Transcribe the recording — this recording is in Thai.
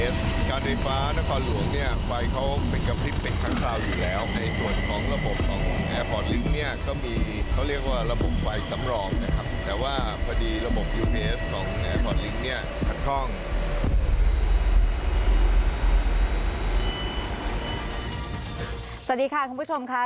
สวัสดีค่ะคุณผู้ชมค่ะ